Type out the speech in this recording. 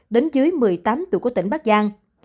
đến dưới một mươi tám tuổi của tỉnh bắc giang